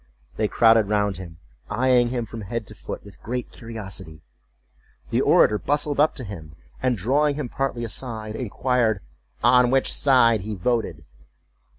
They crowded round him, eyeing him from head to foot with great curiosity. The orator bustled up to him, and, drawing him partly aside, inquired "on which side he voted?"